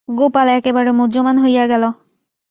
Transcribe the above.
গোপাল একেবারে মুহ্যমান হইয়া গেল।